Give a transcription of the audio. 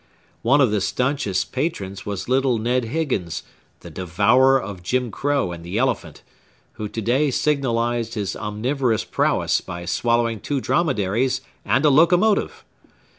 One of the stanchest patrons was little Ned Higgins, the devourer of Jim Crow and the elephant, who to day signalized his omnivorous prowess by swallowing two dromedaries and a locomotive.